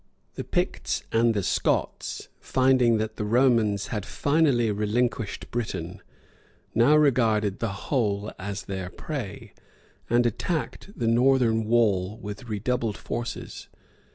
The Picts and Scots, finding that the Romans had finally relinquished Britain, now regarded the whole as their prey, and attacked the northern wall with redoubled forces.